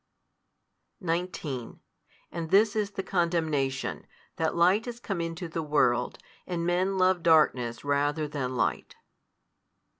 |177 19 And this is the condemnation, that light is come into the world, and men loved darkness rather than light.